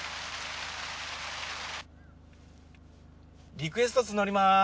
リクエスト募ります！